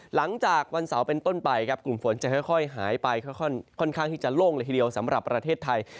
หลังจากวันเสาร์เป็นต้นไปครับกลุ่มฝนจะค่อยหายไปค่อนข้างที่จะโล่งเลยทีเดียวสำหรับประเทศไทย